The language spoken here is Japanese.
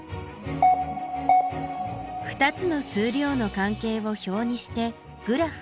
「２つの数量の関係を表にしてグラフを作る」。